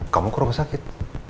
kamu ke rumah sakit